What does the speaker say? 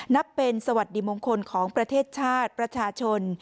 นับเป็นสวัสดีมงคลของประเทศชาติประชาชน